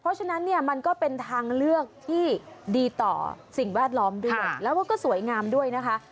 เพราะฉะนั้นเนี่ยมันก็เป็นทางเลือกที่ดีต่อสิ่งแวดล้อมด้วยแล้วก็สวยงามด้วยนะคะ